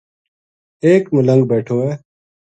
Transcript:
ایک ملنگ بیٹھو ہے